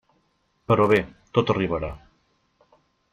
Però bé, tot arribarà.